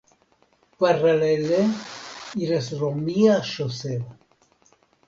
Paralele iras romia ŝoseo.